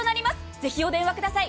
ぜひ、お電話ください。